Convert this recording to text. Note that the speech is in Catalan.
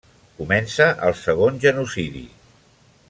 Comença el segon genocidi.